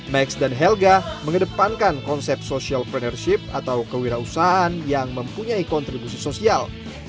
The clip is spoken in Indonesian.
max dan helga mengedepankan konsep social plannership atau kewirausahaan yang mempunyai kontribusi sosial